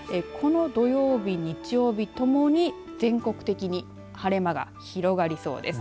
この土曜日、日曜日ともに全国的に晴れ間が広がりそうです。